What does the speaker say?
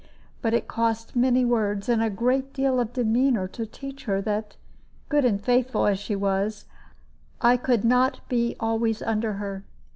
But it cost many words and a great deal of demeanor to teach her that, good and faithful as she was, I could not be always under her.